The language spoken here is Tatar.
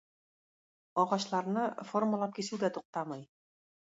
Агачларны формалап кисү дә туктамый.